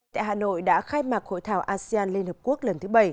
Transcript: tại hà nội đã khai mạc hội thảo asean liên hợp quốc lần thứ bảy